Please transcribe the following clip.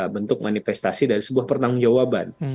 bentuk manifestasi dan sebuah pertanggung jawaban